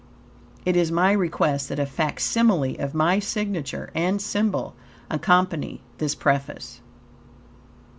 It is my request that a fac simile of my signature and symbol accompany this preface.